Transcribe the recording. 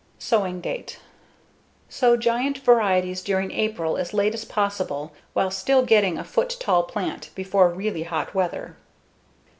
Sowing date: Sow giant varieties during April, as late as possible while still getting a foot tall plant before really hot weather.